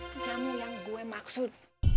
jamu yang gue maksud